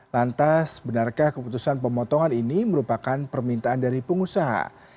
lantas benarkah keputusan pemotongan ini merupakan permintaan dari pengusaha